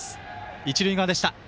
一塁側でした。